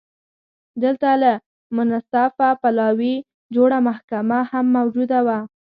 دلته له منصفه پلاوي جوړه محکمه هم موجوده وه